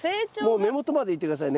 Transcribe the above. もう根元までいって下さい。